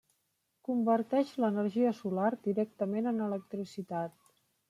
Converteix l'energia solar directament en electricitat.